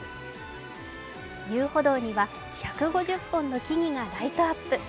遊歩道には１５０本の木々がライトアップ。